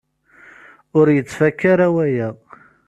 Ur yettfaka ara waya.